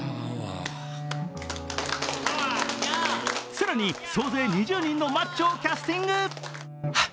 更に総勢２０人のマッチョをキャスティング。